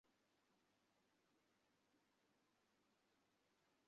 তাঁরা কথা বলা বন্ধ করে দেন এবং একে অন্যের ছায়াও মাড়ান না।